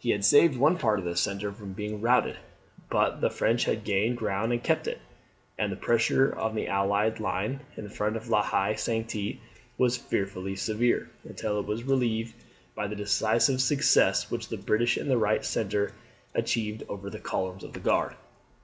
He had saved one part of his centre from being routed; but the French had gained ground and kept it; and the pressure on the allied line in front of La Haye Sainte was fearfully severe, until it was relieved by the decisive success which the British in the right centre achieved over the columns of the Guard.